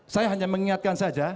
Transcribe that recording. saya hanya mengingatkan saja